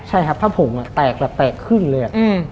ใช่ครับผ้าผงแตกแบบแตะครึ่งเลย